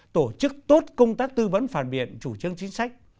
tổ chức tốt công tác tư vấn phản biện chủ trương chính sách